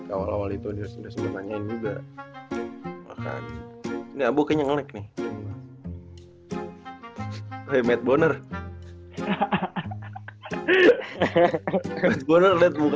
awal awal itu udah sudah ditanyain juga